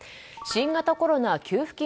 新型コロナ給付金